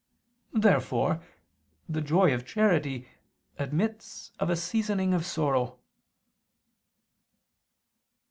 Therefore the joy of charity admits of a seasoning of sorrow.